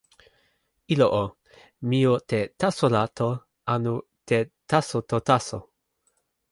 ilo o, mi o te "taso la" to anu te "taso" to taso?